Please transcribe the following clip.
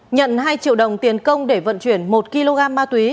nhận hai triệu đồng tiền công để vận chuyển một kg ma túy